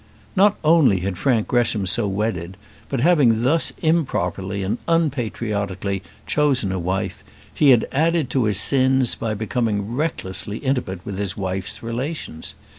Not only had Frank Gresham so wedded, but having thus improperly and unpatriotically chosen a wife, he had added to his sins by becoming recklessly intimate with his wife's relations.